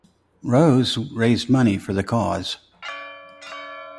Rose raised money for the cause.